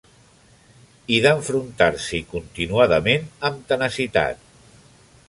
I d'enfrontar-s'hi continuadament, amb tenacitat.